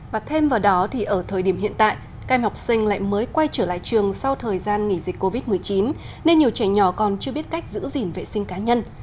và thêm vào đó thì ở thời điểm hiện tại các em học sinh lại mới quay trở lại trường sau thời gian nghỉ dịch covid một mươi chín nên nhiều trẻ nhỏ còn chưa biết cách giữ gìn vệ sinh cá nhân